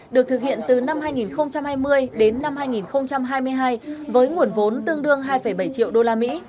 được thực hiện từ năm hai nghìn hai mươi đến năm hai nghìn hai mươi hai với nguồn vốn tương đương hai bảy triệu usd